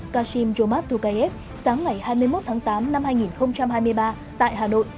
kasim jomart tukayev sáng ngày hai mươi một tháng tám năm hai nghìn hai mươi ba tại hà nội